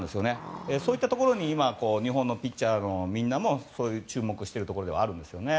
そういったところに日本のピッチャーのみんなもそこに注目しているところではあるんですね。